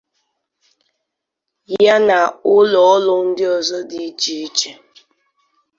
ya na ụlọọrụ ndị ọzọ dị iche iche